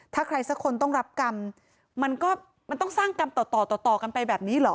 ถ้าใครสักคนต้องรับกรรมมันก็มันต้องสร้างกรรมต่อต่อต่อกันไปแบบนี้เหรอ